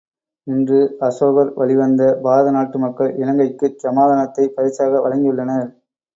இன்று அசோகர் வழி வந்த பாரத நாட்டு மக்கள், இலங்கைக்குச் சமாதானத்தைப் பரிசாக வழங்கியுள்ளனர்.